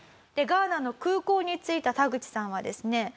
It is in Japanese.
ガーナの空港に着いたタグチさんはですね